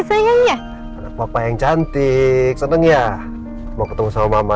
pengen ya anak bapak yang cantik seneng ya mau ketemu sama mama